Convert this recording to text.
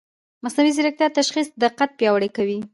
مصنوعي ځیرکتیا د تشخیص دقت پیاوړی کوي.